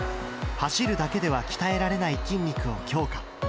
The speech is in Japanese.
走るだけでは鍛えられない筋肉を強化。